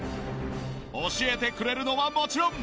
教えてくれるのはもちろん。